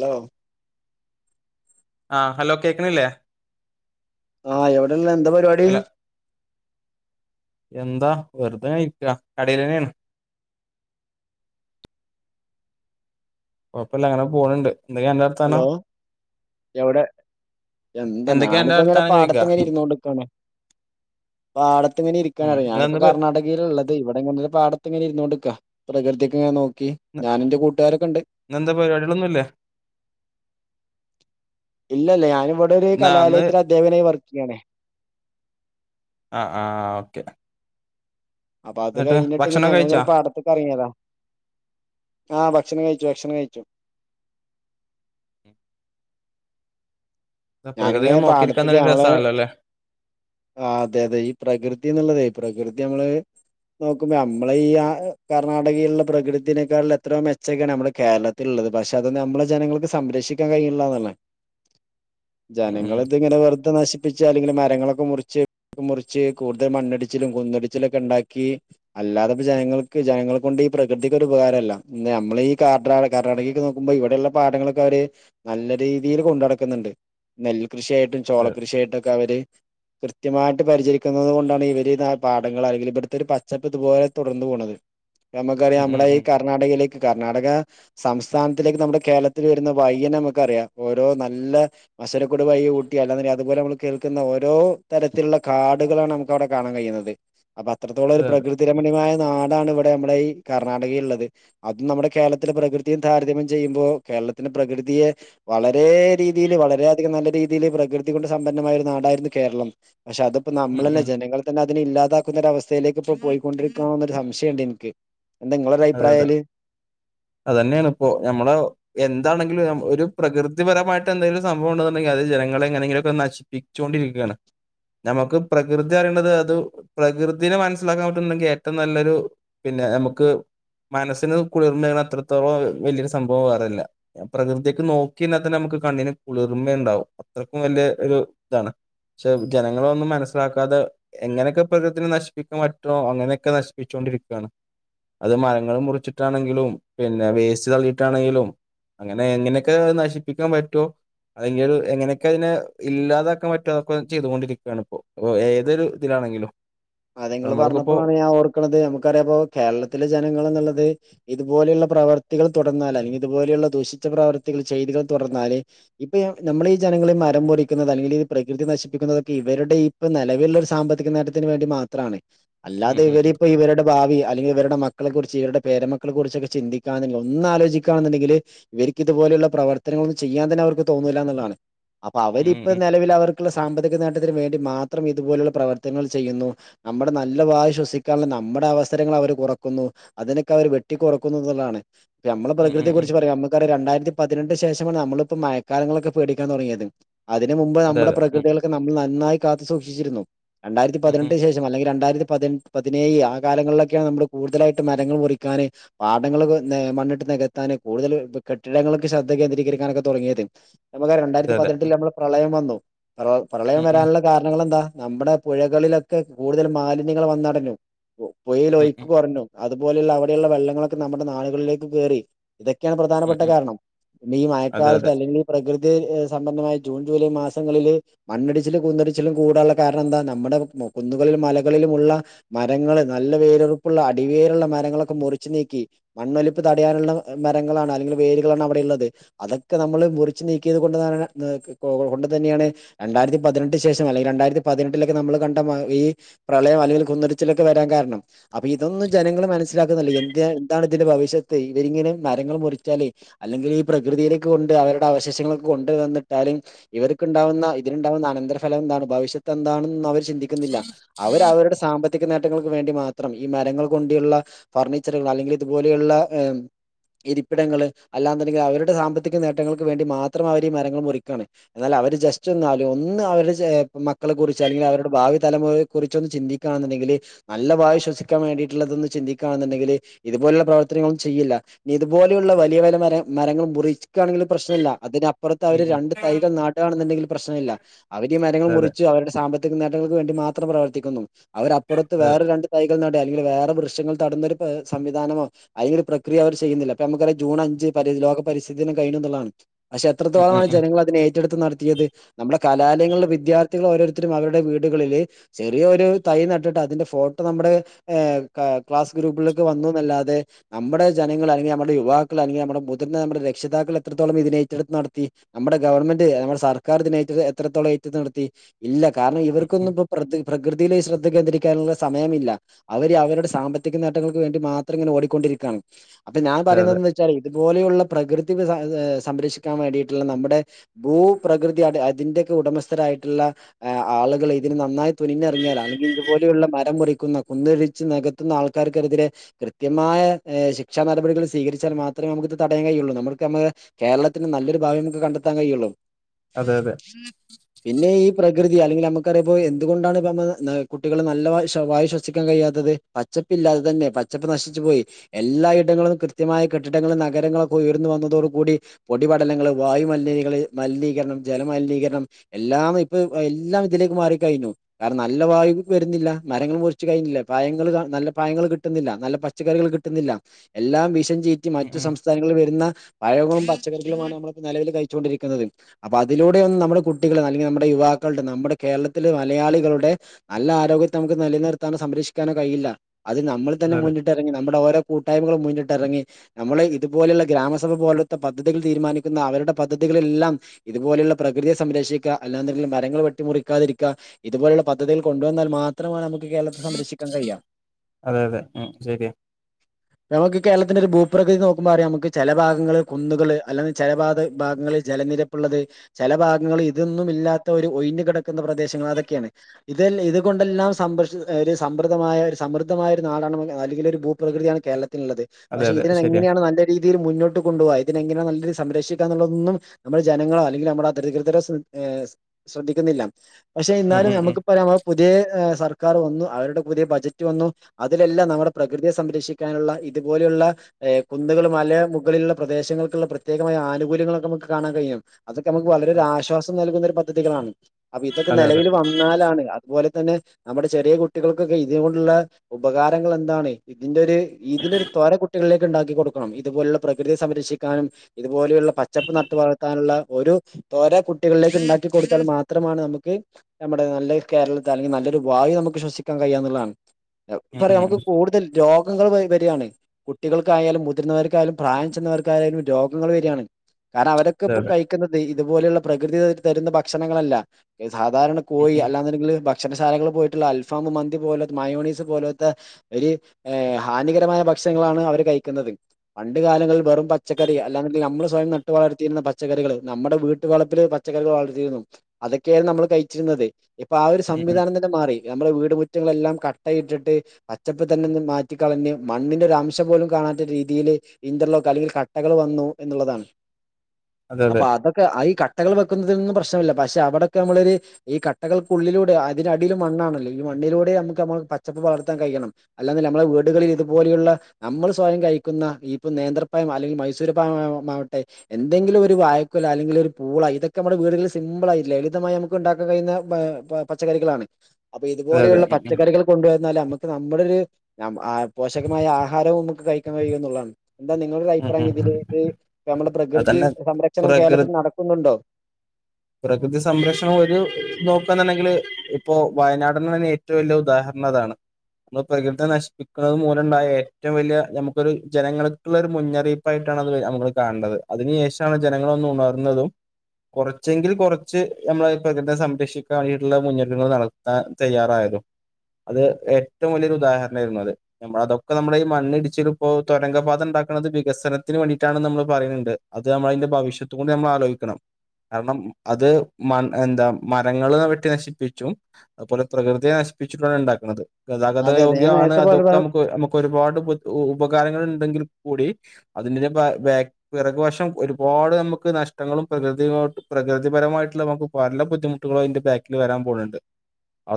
Hello ആ hello കേക്ക്ണില്ലേ ആ എവിടെള്ളെ എന്താ പരിപാടി എന്താ വെറുതെ ങ്ങനെ ഇരിക്ക കടെലെന്നേണ് കൊഴപ്പല്ല അങ്ങനെ പോണ് ണ്ട് ന്താ ത്താനം എവടെ എന്താ എന്തൊക്കെയാ അന്റെ ഞാനിതെങ്ങനെ വർത്താനം ചോയിക്കാ പാടത്ത്ങ്ങനെ ഇരുന്നോണ്ട്ക്കാണ് പാടത്ത്ങ്ങനെ ഇരിക്കാണ് ഉം പറിയ ഞാനിപ്പൊ ഇന്നെന്താ പ കർണാടകേല് ള്ളത് ഇവിടെ ങ്ങനെ ഒരു പാടത്ത് ഇങ്ങനെ ഇര്ന്നോണ്ട്ക്കാ പ്രകൃതിയൊക്കെ നോക്കി ഇന്ന് ഞാനും ന്റെ കൂട്ടാരൊക്കെ ണ്ട് ഇന്നെന്താ പരിപാടികളൊന്നുല്ലേ ഇല്ലല്ല ഞാനിവിടെ ഒരു ഇന്നാ ഇന്ന് കലാലയത്തി അദ്ധ്യാപകനായി വർക്കെയ്യാണ് ആ ആ ഓക്കെ അപ്പൊ അത് എന്നിട്ട് കഴിഞ്ഞിട്ട് ഇങ്ങനെ ഭക്ഷണം ഞങ്ങ കഴിച്ചാ ഇങ്ങനെ പാടത്ത്ക്കെറങ്യേതാ ആ ക്ഷണം കഴിച്ചു ഭക്ഷണം കഴിച്ചു ഉം. ഇതാ പ്രകൃതി ഞാനിങ്ങനെ ഇങ്ങനെ നോക്കിയിരിക്കാൻ പാടത്ത്ക്ക് തന്നെ ഒരു ഞമ്മള് രസാണല്ലോ അല്ലേ ആ അതെ അതെ ഈ പ്രകൃതി ന്നുള്ളത് പ്രകൃതി നമ്മള് നോക്കുമ്പോ നമ്മളെ ഈ ആ കർണ്ണാടകയിലുള്ള പ്രകൃതിതിനേക്കാൾ എത്രോ മെച്ചൊക്കേണ് ഞമ്മളെ കേരളത്തില്ള്ളത് ത് പക്ഷെ അതൊന്നും ഞമ്മളെ ജനങ്ങൾക്ക് സംരക്ഷിക്കാൻ കയ്യിള്ള [unintelligible] ഉം ഉം ജനങ്ങളൾ ഇതിങ്ങനെ വെറുതെ നശിപ്പിച്ച് അല്ലെങ്കിൽ മരങ്ങളൊക്കെ മുറിച്ച് മുറിച്ച് കൂടുതൽ മണ്ണടിച്ചിലും കുന്നടിച്ചിലുംൊക്കെ ഉണ്ടാക്കി അല്ലാതപ്പോ ജനങ്ങൾക്ക് ജനങ്ങൾ കൊണ്ട് ഈ പ്രകൃതിക്ക ഒരുരുപകാരമല്ല നമ്മള് ഈ ക കർണാടകക്ക് നോക്കുമ്പോ ഇവിടെയള്ള പാടങ്ങളൊക്കെര്ല്ല നല്ല രീതിയിൽ കൊണ്ട നടക്കുന്നുണ്ട് നെല് കൃഷിയായിട്ടും ചോള അതെ കൃഷിയായിട്ടുംൊക്കെ അവര് കൃത്യമായിട്ട് പരിചരിക്കുന്നത് കൊണ്ടാണ് ഇവര് പാഠങ്ങൾ അല്ലെങ്കിൽ ഇവിടുത്തെ ഒരു പച്ചപ്പ് ഇതുപോലെ തുടർന്നു പോണത് നമുക്കറിയാം ഉം നമ്മള ഉം ഈ ഉം കർണാടകയില കർണാടക സംസ്ഥാനത്തിലേക്ക് നമ്മുടെ കേരളത്തിൽ വരുന്ന വയ്യന നമുക്കറിയാം ഓരോ നല്ല മസരക്കടു വൈ ഊട്ടി അല്ലാെ അതുപോലെ നമ്മൾ കേൾക്കുന്ന ഓരോ തരത്തിലുള്ള കാടുകളാണ് നമുക്ക് അവിടെ കാണാൻ കഴിയുന്നത് അപ്പൊ അത്രത്തോളം ഒരു അതെ അതെ പ്രകൃതി രമണീയമായ നാടാണ് നമ്മുടെ ഈ കർണാടക ഉത് അതും നമ്മുടെ കേരളത്തിലെ പ്രകൃതിയും താരതമ്യം ചെയ്യുമ്പോൾ കേരളത്തിന്റെ പ്രകൃതി തിയെ വളരെ രീതിൽ വളരെ നല്ല രീതിയിൽ പ്രകൃതി കൊണ്ട് സമ്പന്നമായ ഒരു നാടായിരുന്നു കേരളം പക്ഷെ അതിപ്പോ ഉം നമ്മളല്ലെ ഉം ജനങ്ങൾ തന്നെ അതിനെ ഇല്ലാതാക്കുന്നൊര അവസ്ഥയിലേക്ക് ഇപ്പോ പോയിക്കൊണ്ടിരിക്കണന്നൊരു സംശയണ്ട് എനിക്ക് എന്താ നിങ്ങളൊരു അതെ അതെ അഭിപ്രായല് അതന്നെയാണ് ഇപ്പോ ഞമ്മള എന്താണെങ്കിലും ഒരു പ്രകൃതിപരമായിട്ട് എന്തെങ്കിലും സംഭവം ഉണ്ടെന്നുണ്ടെങ്കിൽ അത് ജനങ്ങളെ എങ്ങനെങ്കിലുംൊക്കെ നശിപ്പിച്ചുകൊണ്ടിരിക്കുകയാണ് നമുക്ക് പ്രകൃതി അറിയേണ്ടത് അത് പ്രകൃതിനെ മനസ്സിലാക്കാൻ പറ്റണ്ടെങ്കിൽ ഏറ്റവും നല്ലൊരു പിന്നെ പിന്നെ നമുക്ക് മനസ്സിന് കുളിർന്ന അത്രത്തോളം വലിയൊരു സംഭവം വേറല്ല പ്രകൃതിയൊക്കെ നോക്കി തന്നെ നമുക്ക് കണ്ണിന് കുളിർമയ ഇണ്ടാവും അത്രയ്ക്കും വലിയ ഒരു ഇതാണ് പക്ഷെ ജനങ്ങളൊന്നും മനസ്സിലാക്കാതെ എങ്ങനൊക്കെ പ്രകൃതിെ നശിപ്പിക്കാൻ പറ്റുമോ അങ്ങനെയൊക്കെ നശിപ്പിച്ചും ണ്ടിറിക്കാണ് [inaudible] അത് മരങ്ങള്ൾ മുറിച്ചിട്ടാണെങ്കിലും പിന്നെ വേസ്റ്റ് തള്ളിട്ടാണെങ്കിലും അങ്ങനെ എങ്ങനെയൊക്കെ നശിപ്പിക്കാൻ പറ്റുവോ അല്ലെങ്ക ഒരു എങ്ങനെയൊക്കെ അതിനെ ഇല്ലാതാക്കാൻ പറ്റോ അതൊക്കെ ചെയ്തുകൊണ്ടിരിക്കുകയാണ് ഇപ്പോ ഏതൊരു ഇതിലാണ് ആണെങ്കിലും അ നിങ്ങള്ൾ പറഞ്ഞപ്പോൾാണ് ഞാൻ ഓർക്കണത് നമുക്കറിയാം ഇപ്പോ കേരളത്തി ത്തിലെ ജനങ്ങൾ എന്നുള്ളത് ഇത്പോലുള്ള പ്രവർത്തികൾ തുടർന്നാൽ അല്ലെങ്കിൽ ഇതുപോലെയുള്ള ദൂഷിച്ച പ്രവർത്തികൾ ചെയ്ത് തുറന്നാല് ഇപ്പൊ നമ്മള ഈ ജനങ്ങളെ മരം മുറിക്കുന്നത് അല്ലെങ്കിൽ പ്രകൃതി നശിപ്പിക്കുന്നതൊക്കെ ഇവരുടെ ഈ ഇപ്പ നിലവില ഒരു സാമ്പത്തിക നേട്ടത്തിന് വേണ്ടി മാ ത്രാണ് ഉം അല്ലാതെ ഉം ഇവരിപ്പോ ഇവരുടെ ഭാവി അല്ലെങ്കിൽ ഇവരുടെ മക്ക മക്കളെ കുറിച്ച് ഇരുടെ പേരമക്കളെ കുറിച്ചൊക്കെ ചിന്തിക്ക ഒന്ന ആലോചിക്കാണുെങ്കിൽ ഇവർ ഇതുപോലെയുള്ള പ്രവർത്തനം ചെയ്യാൻ തന്നെ അവർക്ക് തോന്നൂില്ലുള്ളതാണ് അപ്പൊ ഉം ഉം അവരിപ്പ ഉം നിലവിൽ അവർക്കുള്ള സാമ്പത്തിക നേട്ടത്തിന് വേണ്ടി മാത്രം ഇതുപോലുള്ള പ്രവർത്തനങ്ങൾ ചെയ്യുന്നു നമ്മുടെ നല്ല വായു ശ്വസിക്കാാന നമ്മുടെ അവസരങ്ങൾ അവർ കുറക്കുന്നു അതിനൊക്കെ അവർ വെട്ടിിക്ക കുറക്കുന്നതാണ് നമ്മള ഉം ഉം പ്രൃതിയ ഉം ഉം കുറിച്ച് പറയാം നമുക്ക രണ്ടായിരം ആയിരത്തി പതിനെട്ടു ശേഷമാണ് നമ്മളിപ്പോ മഴക്കാലങ്ങളൊക്കെ പേടിക്കാൻ തുടങ്ങിയത് അതിനന് മുമ്പ് അതെ നമ്മുടെ അതെ ഉം പ്രകൃതികളൊക്കെ നമ്മൾ നന്നായി കാത്തു സൂക്ഷിച്ചിരുന്നു രണ്ടായിരത്തി ഉം ഉം പതിനെട്ട് ശേഷം രണ്ടതിനേഴ് ആ കാലങ്ങളിലൊക്കെയ നമ്മള് കൂടുതലായിട്ട് മരങ്ങൾ മുറിക്കാന്ൻ പാടങ്ങൾ [unintelligible] മണ്ണിട്ട് നികത്താാന് കൂടുതൽ കെട്ടിടങ്ങൾക്കെ ശ്രദ്ധ കേന്ദ്രീകരിക്കാനൊക്കെ തുടങ്ങിയത് നമക്ക അതെ രണ്ടായിത്തി അതെ പതിനെട്ടിൽ നമ്മൾ പ്രളയം വന്നു പ്ര പ്രളയം ഉം ഉം വരാനുള്ള കാരണങ്ങൾ എന്താ നമ്മുടെ പുഴകളിലൊക്കെ കൂടുതൽ മാലിന്യങ്ങള്ൾ വന്നടഞ്ഞു പു പുയിയില ഉം ഉം ഒയിക്ക് ഉം കുറഞ്ഞു അതുപോലെയുള്ള അവിടെയുള്ള വെള്ളങ്ങളൊക്കെ നമ്മുടെ നാടുകളിലേക്ക് കയറി ഇതൊക്കെയാണ് ഉം പ്രധാനപ്പെട്ട ഉം കാരണംഈ അതെ അതെ മഴക്കാലത്ത് അല്ലെങ്കിൽ ഈ പ്രകൃതി ഇതീൽ ഏ സംബന്ധമായ ജൂൺ ജൂലൈ മാസങ്ങളില് മണ്ണിടിച്ചില് കുന്നടിച്ചിലും കൂടാനുള്ള കാരണം എന്താ നമ്മുടെ [unintelligible] കുന്നുകളിലും മലകളിലുമുള്ള മരങ്ങളെ നല്ല വേരുറപ്പുള്ള അടിവേരുള്ള മരങ്ങളൊക്കെ മുറിച്ചു നീക്കി മണ്ണൊലിപ്പ് തടയാനുള്ള [unintelligible] മരങ്ങളാണ് അല്ലെങ്കില് വേരുകളാണ് അവിടെ ഇള്ളത് അതൊക്കെ നമ്മള് മുറിച്ച് നീക്കിയത് കൊൺ [unintelligible] കൊണ്ട് തന്നെയാണ് രണ്ടായിരത്തി പതിനെട്ട് ശേഷം അല്ലെങ്കി രണ്ടായിരത്തി പതിനെട്ടിലൊക്കെ നമ്മള് ക [unintelligible] ഈ പ്രളയം അല്ലെങ്കില് കുന്നൊരിച്ചിലൊക്കെ വരാൻ കാരണം അപ്പൊ ഇതൊന്നും ജനങ്ങള് മനസ്സിലാക്കുന്നില്ല എന്ത്യാ എന്താണ് ഇതിന്റെ ഭവിഷ്യത്ത് ഇവരിങ്ങനെ മരങ്ങള് മുറിച്ചാലേ അല്ലെങ്കിൽ ഈ പ്രകൃതിയിലേക്ക് കൊണ്ട് അവരുടെ അവശേഷങ്ങള് കൊണ്ടുവന്നിട്ടാലും ഇവർക്കുണ്ടാവുന്ന ഇതിലുണ്ടാവുന്ന അനന്തര ഫലം എന്താണ് ഭവിഷ്യത്ത് എന്തണെന്ന് അവര് ചി ക്കുന്നില്ല അവര് അവരുടെ സാമ്പത്തിക നേ ട്ടങ്ങൾക്ക് വേണ്ടി മാത്രം ഈ മരങ്ങൾ കൊണ്ടുള്ള ഫർണിച്ചറുകൾ അല്ലെങ്കിൽ ഇതുപോലെയുള്ള ഏ ഇരിപ്പിടങ്ങള് അല്ലാന്നൊണ്ടെങ്കിൽ അവരുടെ സാമ്പത്തിക നേട്ടങ്ങൾക്ക് വേണ്ടി മാത്രം അവര് ഈ മരങ്ങൾ മുറിക്കുവാണ് എന്നാൽ അ വര് ജസ്റ്റ് എന്നാലും ഒന്ന് അവരെ ചേ മക്കളെ കുറിച്ച് അല്ലെങ്കില് അവരുടെ ഭാവി തലമുറയെ കുറിച്ചൊന്ന് ചിന്തിക്കയാണെന്നുണ്ടെങ്കില് നല്ല വായു ശ്വസിക്കാൻ വേണ്ടിയിട്ടുള്ളതെന്ന് ചിന്തിക്കുകാണെന്നുണ്ടങ്കില് ഇത് ഇതുപോലുള്ള പ്രവർത്തനങ്ങളും ചെയ്യില്ല ഇനി ഇതുപോലെയുള്ള വലിയ വലിയ മരങ്ങളും മുറിക്കുകാണെങ്കിലും പ്രശ്നല്ല അതിന പ്പുറത്ത് ഉം അവര് ഉം രണ്ട് തൈകൾ നടുകാണെന്നുണ്ടെങ്കില് പ്രശനമില്ല അവരീ മരങ്ങള് അതെ അതെ മുറിച്ചു അവരുടെ സാമ്പത്തിക നേ ട്ടങ്ങൾക്ക് വേണ്ടി മാത്രം പ്രവർത്തിക്കുന്നു അവരപ്പുറത്ത് അതെ വേറൊരു രണ്ട് തൈകൾ ന ടുന്നത് അല്ലെങ്കില് വേറെ വൃക്ഷങ്ങൾ നടുന്നൊരു സംവിധാനമോ അതിനൊരു പ്രക്രിയ അവർ ചെയ്യുന്നില്ല അപ്പോ നമ്മക്കറിയാം ജൂൺ അഞ്ച് പരി ലോക പരിസ്ഥിതി ദിനം കഴിഞ്ഞന്നൊള്ളാണ് ‌പക്ഷെ ഉം ഉം എത്രത്തോളമാണ് ഉം ജനങ്ങൾ അതിനെ ഏ റ്റെടുത്ത് നടത്തിയത് നമ്മുടെ കലാലയങ്ങളിലെ വിദ്യാർത്ഥികള് ഓരോരുത്തരും അവരുടെ വീ ട്കള്ല് ചെറിയാെരു തൈ നട്ട്ട്ട് അതിന്റെ ഫോട്ടൊ നമ്മ്ടെ ഏഹ് കാ ക്ലാസ്സ്‌ ഗ്രൂപ്പിലൊക്കെ വന്ന് ന്നൂന്നല്ലാതെ നമ്മടെ ജനങ്ങൾ അല്ലെങ്കി നമ്മടെ യുവാക്കൾ അല്ലെങ്കി നമ്മടെ മുതിർന്ന നമ്മടെ രക്ഷിതാക്കളെത്രത്തോളം ഇതിനേറ്റെട് ത്ത് നടത്തി നമ്മടെ ഗവർമെന്റ് നമ്മടെ സർക്കാറ് ഇതിനേറ്റ് ല്ലെ എത്രത്തോളം ഏറ്റത് നടത്തി ഇല്ല കാരണം ഇ ഉം ഉം ക്കുന്നുപ്പം പ്രതി പ്രകൃതിയില് ശ്രദ്ധ കേന്ദ്രീക്കാൻള്ള സമയമില്ല അവര് അവരുടെ സാമ്പത്തിക നേട്ടങ്ങൾക്ക് വേണ്ടി മാത്രങ്ങനെ ഓടിക്കൊണ്ടി രിക്കാണ് അപ്പ ഞാൻ അതെ അതെ പറയുന്നതെന്ന് വെച്ചാൽ ഇത് പോലെയുള്ള പ്രകൃതി വ് സ ഇത് ഏഹ് സംരക്ഷിക്കാൻ വേണ്ടീട്ട്ള്ള നമ്മ്ടെ ഭൂപ്രകൃതി അത് അതിന്റെക്കെ ഉടമസ്ഥരായ്ട്ട്ള്ള ഏഹ് ആള്കളീ തിന് നന്നായ് തുനിഞ്ഞെറങ്ങിയാലാ അല്ലെങ്കി ഇത്പോലെയുള്ള മരം മുറിക്കുന്ന കുന്ന്ടിച്ച് നെകത്ത്ന്ന ആൾക്കാർക്കെര്തിരെ കൃത്യമായ ഏഹ് ശിക്ഷാ നടപടികള് സ്വീകരിച്ചാല് മാത്രമെ നമുക്ക്ത് തടയാൻ കയ്യൊള്ളൂ നമ്മൾക്ക് നമ്മടെ കേരളത്തിന് ന ല്ലൊരു ഭാവി നമ്മക്ക് കണ്ടെത്താൻ കഴിയൊള്ളൂ അതെ അതെ പിന്നേ ഈ പ്രകൃതി അല്ലെങ്കില് നമ്മ കടേ പോയ് എന്ത്കൊണ്ടാണ് പ മ ന നാ കുട്ടികള് നല്ല വായ് ശ വായ് ശ്വസിക്കാൻ കഴിയാത്തത് പച്ചപ്പില്ലാ അത് തന്നെ പ ച്ചപ്പ് നശിച്ചു പോയി എല്ലാ ഇടങ്ങളും കൃത്യമായ കെട്ടിടങ്ങളും നഗരങ്ങളൊക്കെ ഉയർന്നു വന്നതോട് കൂടി പൊടി ടി പടലങ്ങള് വായു മൽനിനികള് മൽനീകരണം ജല മൽനീകരണം എല്ലാം ഇപ്പ് എല്ലാം ഇതിലേക്ക് മാറിക്കയ്നു കാര്ണം നല്ല വായു വെര്ന്നില്ല മരങ്ങള് മുർച്ച് കയ്ഞ്ഞിലേ പയങ്ങള് കാ നല്ല പയങ്ങള് കിട്ട് ന്നില്ല നല്ല പച്ചക്കറികള് കിട്ട്ന്നില്ല എല്ലാം വിശം ചീറ്റി ഉം മറ്റു ഉം സംസ്ഥാനങ്ങള്ൽ വെര്ന്ന പഴവും പ ച്ചക്കറികളുമാണ് നമ്മളാെക്കെ നെലവില് കയ്ച്ചോണ്ടിരിക്ക്ന്നത് അപ്പൊ അതിലൂടെ ഒന്നും നമ്മുടെ കുട്ടികള് അല്ലെങ്കി നമ്മടെ യുവാക്കൾടെ നമ്മടെ കേരളത്തില് മലയാളികളുടെ നല്ല ആരോഗ്യത്തെ നമുക്ക് നിലനിർത്താനോ സംരക്ഷിക്കാനോ കഴിയില്ലാ അത് നമ്മള് തന്നെ അതെ അതെ മുന്നിട്ടെറങ്ങി നമ്മടെ ഓരോ കൂട്ടായ്മകളും മുന്നി ട്ടെറങ്ങി ഞമ്മള് ഇത്പോലെള്ള ഗ്രാമസഭ പോലൊത്തെ പദ്ധതികൾ തീര്മാനിക്ക്ന്ന അവരുടെ പദ്ധതികളെല്ലാം ഇത്പോലെള്ള പ്രകൃതിയെ സംരക്ഷിക്ക അല്ലാന്ന്ങ്കില് മരങ്ങള് വെട്ടിമുറി ക്കാതിരിക്ക ഇത്പോല്ള്ള പദ്ധതികൾ കൊണ്ടുവന്നാൽ മാത്രമാണ് നമുക്ക് കേരളത്തെ സംരക്ഷിക്കാൻ കഴിയാ അതെ അതെ ഉം ശെര്യാ തിന്റൊര് ഭൂപ്രകൃതി നോക്കുമ്പ അറിയാമ്ക്ക് ചെല ഭാഗങ്ങള് കുന്ന്കള് അല്ലാന്ന് ചെല ഭാഗ ഭാഗങ്ങള് ജെലനിരപ്പ്ള്ളത് ചെല ഭാഗങ്ങള് ഇതെന്നും ഇല്ലാത്ത ഒര് ഒയ്ഞ്ഞ് കെട ക്ക്ന്ന പ്രദേശങ്ങൾ അതൊക്കെയാണ്, ഇതെല്ല് ഇതുകൊണ്ടെല്ലാം സമ്പുഷ് ഏര് സംബ്രുധമായ ഒരു സമൃദ്ധമായ ഒരു നാട [unintelligible] അല്ലെങ്കില് ഒരു ഭൂപ്രകതിയാണ് കേരളത്തിനിള്ളത്, അതെ പക്ഷെ അതെ ഇതിനെ അത് ശരിയാ എങ്ങനെയാണ് നല്ല രീതിയില് മുന്നോട്ട് കൊണ്ടുവായ് ഇതിനെങ്ങനെ നല്ല രീതി സംരക്ഷിക്കാന്നുള്ളതൊന്നും നമ്മുടെ ജനങ്ങളോ അല്ലെങ്കില് നമ്മടെ അധത്രികൃതരോ ശ്ര ഏഹ് ശ്രദ്ധിക്കുന്നില്ലാ. പക്ഷെ ഉം ഇന്നാലും ഉം ഉം നമ്മക്ക് പറയാള്ളത് പുതിയേ ഏഹ് സർ ക്കാറ് വന്നു, അവരുടെ പുതിയ ബജറ്റ് വന്നു, അതിലെല്ലാം നമ്മുടെ പ്രകൃതിയെ സംരക്ഷിക്കാനുള്ള ഇതുപോലെയുള്ള ഏഹ് കുന്നുകള് മല മുകളിൽള്ള പ്രദേശങ്ങൾക്കിള്ള പ്രത്യേകമായ ആനുകൂല്യങ്ങളൊക്കെ നമുക്ക് കാണാ കഴിയും, അതൊക്കെ നമുക്ക് വ ന്നരോരു അതെ ആശ്വാസം നൽകുന്നൊരു പദ്ധതികളാണ് അപി ഇതൊക്കെ അതെ അതെ നെലവില് വന്നാലാണ്, അതുപോലെ തന്നെ നമ്മുടെ ചെറിയ കുട്ടികൾക്കൊക്കെ ഇത് കൊണ്ടുള്ള ഉപകാരങ്ങൾ എന്താണ്, ഇതിന്റൊരു ഇതിനൊരു തൊര കുട്ടികളിലേക്ക് ഇണ്ടാക്കി കൊടുക്കണം, ഇതുപോലെയുള്ള പ്രകൃതിയെ സംരക്ഷിക്കാനും ഇതുപോലെയുള്ള പച്ചപ്പ് നട്ട് വളർത്താനിള്ള ഒരു തൊര കുട്ടികളിലേക്ക് ഇണ്ടാക്കി കൊടുത്താൽ മാത് മാത്രമാണ് നമുക്ക് നമ്മടെ നല്ല കേരളത്തി അല്ലെങ്കി നല്ലൊരു വായു നമക്ക് ശ്വസിക്കാൻ കഴിയാന്നിള്ളതാണ്. ഏഹ് ഉം പറയാ ഉം ഉം നമുക്ക് കൂടുതൽ രോഗങ്ങൾ വ വെരാണ് കുട്ടികൾക്കായാലും മുതിർന്നവർക്കായാലും പ്രായം ചെന്നവർക്കായാലും രോഗങ്ങള് വെരാണ്. കാരണം അവരൊക്കെ അതെ ഇപ്പൊ അതെ കഴിക്കുന്നത് ഇതുപോലെയുള്ള പ്രകൃതി തരുന്ന ഭക്ഷണങ്ങളല്ല സാധാരണ ഉം കോയി ഉം അല്ലാന്നുണ്ടെങ്കില് ഭക്ഷണശാലകള് പോയിട്ട്ള്ള അൽഫാമ് മന്തി പോല മയോണീസ് പോലോത്തെ ഒരു ഹാനികരമായ ഭ ഭക്ഷണങ്ങളാണ് അവര് കഴിക്കുന്നത് പണ്ട് കാലങ്ങളിൽ വെറും പച്ചക്കറി അല്ലാന്നുണ്ടെങ്കി നമ്മള് സ്വയം നട്ടു വളർത്തിയിരുന്ന പച്ചക്കറി നമ്മടെ വീട്ട് വളപ്പില് പച്ചക്കറികൾ വളർത്തിയിരുന്നു അതൊക്കെയയിരുന്നു നമ്മൾ കഴിച്ചിരുന്നത് ഇപ്പൊ ആ ഒരു ഉം ഉം സംവിധാനം തന്നെ മാറി നമ്മടെ വീട്മുറ്റങ്ങളെല്ലാം കട്ടയിട്ടിട്ട് പച്ചപ്പ് തന്നെന്ന് മാറ്റി കളഞ്ഞ് മണ്ണിന്റെ ഒരംശം പോലും കാ മാറ്റ രീതിയില് ഇന്റർലോക്ക് അല്ലെങ്കിൽ കട്ടകള് വന്നു എന്നുള്ളതാണ് അതെ അതെ അപ്പ അതൊക്കെ ഈ കട്ടകൾ വെക്കുന്നതി ഒന്നും പ്രശ്നവല്ല പ അവടൊക്കെ നമ്മളൊരു ഈ കട്ട കൾക്കുള്ളിലൂടെ അതിനടിയില് മണ്ണാണല്ലോ ഈ മണ്ണിലൂടെ നമ്മക്ക് പച്ചപ്പ് വള കഴിയണം അല്ലങ്കിൽ നമ്മളെ വീടുകളിൽ ഇതുപോലെയുള്ള നമ്മള് സ്വയം കഴിക്കുന്ന നേന്ത്രപ്പയം അല്ലെങ്കി മൈസൂര്പാം മാവട്ടെ എന്തെങ്കിലും ഒരു വായക്കുല അല്ലെങ്കിലൊരു പൂള ഇതൊക്ക നമ്മ വീടിൽ സിമ്പിൾ ആയി ലളിതമായി നമ്മക്ക് ഉണ്ടാക്കാൻ കഴിയുന്ന പച്ചക്കറികളാണ് അപ്പൊ അതെ അതെ ഇതുപോലെയുള്ള ഉം പച്ചക്കറികൾ കൊണ്ടുവന്നാല് നമ്മക്ക് നമ്മുടൊരു- ആ പോഷകമായ ആഹാരവും നമ്മ ക്ക് കഴിക്കാൻ കഴിയും എന്നുള്ളതാണ് എന്താ നിങ്ങളുടെ ഉം അഭിപ്രായം ഉം ഉം ഇതില് നമ്മടെ തൃ പ്രകൃതി അതന്നെ സംരക്ഷണം പ്രകൃ കേരളത്തിൽ നടക്കുന്നുണ്ടോ പ്രകൃതി സംരക്ഷണം ഒരു നോക്കുകന്നുണ്ടെങ്കില് ഇപ്പൊ വയനാടന് തന്നെ ഏറ്റവും വലിയ ഉദാഹരണം എന്നതാണ് നമ്മള് പ്രകൃത്യെ നശിപ്പിക്കുന്നത് മൂലു ണ്ടായ ഏറ്റവും വല്യ നമുക്കൊരു ജനങ്ങൾക്കുള്ള ഒരു മുന്നറിയിപ്പായിട്ട് ആയിട്ടാണത് അത് നമ്മള് കാണണ്ടത് അതിന് ശേഷാണ് ജനങ്ങളൊന്നുണർന്നതും കുറ ഒന്നുംങ്കിൽ കൊറച്ച് നമ്മളക്ക പ്രകൃതി സംരക്ഷിക്കാ യിട്ടുള്ള മുന്നൊരുക്ക ങ്ങൾ നടത്താൻ തയ്യാറായതും അത് ഏറ്റവും വലിയൊരു ഉദാഹരണാ യിരുന്നു അത് നമ്മൾ അതൊക്കെ നമ്മള ഈ മണ്ണിടിച്ചിലിപ്പോ തൊരങ്കപാത ഒണ്ടാ വികസനത്തിന് വേണ്ടിട്ടാണന്ന് നമ്മൾ പറയണുണ്ട് അത് നമ്മൾതിന്റെ ഭവിഷ്യത്ത കൂടി നമ്മൾ ആലോയിക്കണം കാരണം അത് എന്താ മരങ്ങള് വെട്ടി നശിപ്പിച്ചും അതുപോലെ പ്രകൃതിയെ നശിപ്പി വച്ചിട്ടാണ് ഉണ്ടാക്കണത് അതെ അതെ ഞാൻ ഗതാഗതയോഗ്യമാണ് നേരത്തെ പോലെ അതൊക്കെ പറ- നമുക്ക് നമുക്ക് ഒരുപാട് ഉപ ഉപകാരങ്ങൾ- ഉണ്ടങ്കിൽ കൂടി അതിന്റൊരു ബാക്ക് പിറക് വശം ഒരുപാട് നമുക്ക് നഷ്ടങ്ങളും പ്രകൃതി പ്രകൃതിപരമായിട്ടുള്ള നമ്മുക്ക് പല ബുദ്ധിമുട്ടുകളും അതിന്റെ ബാക്കിൽ വരാൻ പോണുണ്ട്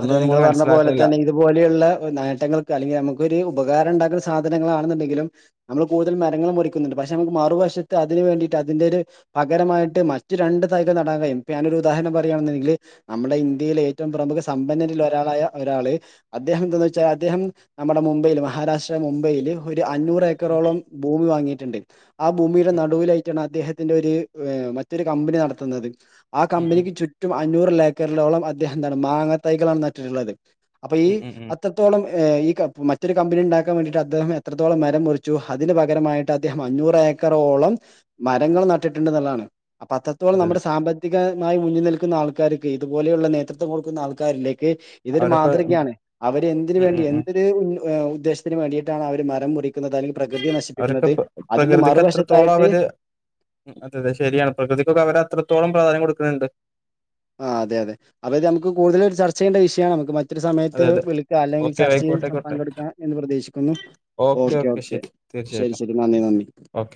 അതെ നിങ്ങൾ പറഞ്ഞ പോലെ തന്നെ ഇതുപോലെയുള്ള നേട്ടങ്ങൾക്ക് അല്ലെങ്കിൽ നമുക്കൊരു ഉപകാരംണ്ടാക്കുന്ന സാധനങ്ങളാണെന്നുണ്ടെങ്കി- എങ്കിലും നമ്മള് കൂടുതൽ മരങ്ങൾ മുറിക്കുന്നുണ്ട് പക്ഷെ നമുക്ക് മറുവശത്ത് അതിന് വേണ്ടിട്ട് അതിന്റൊരു പകരമായിട്ട്- മറ്റു രണ്ട് തൈക നടാവെ ഇപ്പ ഞാനൊരു ഉദാഹരണം പറയാണെന്നുണ്ടെങ്കില് നമ്മുടെ ഇന്ത്യയില് ഏറ്റവും പ്രമുഖ- സമ്പന്നരിൽ ഒരാളായ ഒരാള് അദ്ദേഹം എന്തന്ന് വെച്ചാ അദ്ദേഹം നമ്മുടെ മുംബൈയില് മഹാരാഷ്ട്ര മുംബൈയില്- അഞ്ഞൂറ് ഏക്കറോളം ഭൂമി വാങ്ങിട്ട്ണ്ട് ആ ഭൂമിയുടെ നടുവിലായിട്ടാണ് അദ്ദേഹത്തിന്റെ ഒരു മറ്റൊരു കമ്പനി നടത്തുന്നത് ആ ഉം ഉം കമ്പനിക്ക് ചുറ്റും അഞ്ഞൂറി ലേക്കറിലോളം അദ്ദേഹം എന്താണ് മാങ്ങാ തൈകളാണ് നട്ടിട്ടുള്ളത് അപ്പൊ ഈ ഉം ഉം ഉം അത്രത്തോളം- ആ ഈ ക മറ്റൊരു കമ്പനി ഉണ്ടാക്കാൻ വേണ്ടിട്ട് അദ്ദേഹം എത്രത്തോളം മരം മുറിച്ചുവോ അതിന് പകരമായിട്ട് അദ്ദേഹം അഞ്ഞൂറ ഏക്കറോളം മരങ്ങൾ നട്ടിട്ടുണ്ടെന്നുള്ളതാണ് അപ്പൊ അത്രത്തോളം അതെ അതെ നമ്മുടെ സാമ്പത്തിക മായി മുന്നി നിൽക്കുന്ന ആൾക്കാരിക്ക് ഇതുപോലെയുള്ള നേതൃത്വം കൊടുക്കുന്ന ആൾക്കാരിലേ ഇതൊരു അവരൊക്കെ ഉം മാതൃകയാണ് അവര് എന്തിന് ഉം വേണ്ടി ഉം ഉം എന്തൊരു ഉ ആ ഉദ്ദേശത്തിന് വേണ്ടിയിട്ടാണ് അവര് മരം മുറി- മുറിക്കുന്നത് അല്ലെങ്കിൽ പ്രകൃതിയെ അവരൊക്കെ നശിപ്പിക്കുന്നത് പ്ര അതിന്റെ മറുവശത്തായിട്ട്- ഉ അതെ അതെ ശരിയാണ് പ്രകൃതിക്കൊക്കെ അവര് അത്രത്തോളം പ്രാധാന്യം കൊടുക്കുന്നുണ്ട് ആ അതെ അതെ ഇത് നമുക്ക് കൂടുതൽ ഒരു ചർച്ച ചെയ്യേണ്ട വിഷയാ നമുക്ക് മ മറ്റൊരു സമയത്ത് അതെ അതെ വിളിക്കുക അല്ലെങ്കിൽ ഓക്കെ ചർച്ചയിൽ ആയിക്കോട്ടെ പ ആയിക്കോട്ടെ പങ്കെടുക്കാ എന്ന് പ്രതീക്ഷിക്കുന്നു ഓക്കെ ഓക്കെ ശരി ശരി നന്ദി നന്ദി. ഓക്കെ